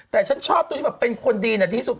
แต่ฉันชอบตัวที่แบบเป็นคนดีที่สุด